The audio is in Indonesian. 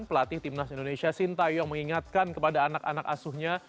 pelatih timnas indonesia sintayong mengingatkan kepada anak anak asuhnya